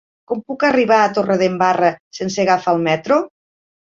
Com puc arribar a Torredembarra sense agafar el metro?